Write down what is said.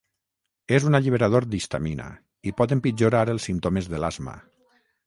És un alliberador d"histamina i pot empitjorar els símptomes de l"asma.